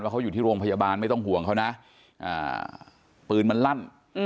เขาอยู่ที่โรงพยาบาลไม่ต้องห่วงเขานะปืนมันลั่น